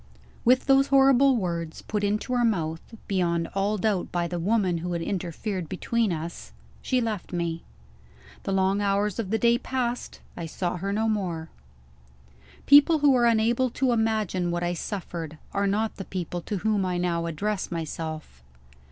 With those horrible words put into her mouth, beyond all doubt by the woman who had interfered between us she left me. The long hours of the day passed: I saw her no more. People who are unable to imagine what I suffered, are not the people to whom I now address myself.